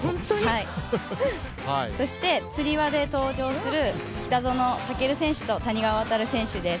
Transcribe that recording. そして、つり輪で登場する北園丈琉選手と谷川航選手です。